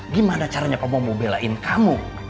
gimana caranya kamu mau belain kamu